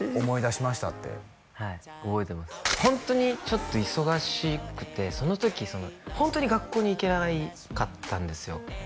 思い出しましたってホントにちょっと忙しくてその時ホントに学校に行けなかったんですよ